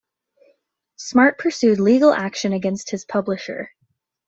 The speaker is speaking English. Smart pursued legal action against his publisher.